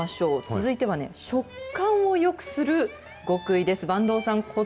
続いてはね、食感をよくする極意です。